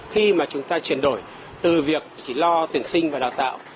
khi mà chúng ta chuyển đổi từ việc chỉ lo tuyển sinh và đào tạo